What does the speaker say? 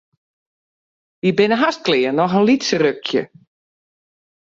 Wy binne hast klear, noch in lyts rukje.